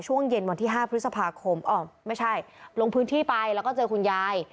ช่วงเย็นวันที่๕พฤษภาคมไม่ใช่ลงพื้นที่ไปแล้วก็เจอคุณยาย